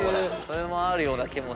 それもあるような気も。